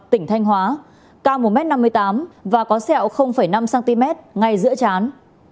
tỉnh thanh hóa cao một m năm mươi tám và có sẹo năm cm ngay giữa chán